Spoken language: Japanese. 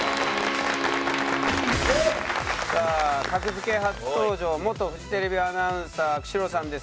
さあ格付け初登場元フジテレビアナウンサー久代さんです。